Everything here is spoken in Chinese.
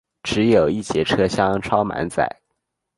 只有一节车厢超满载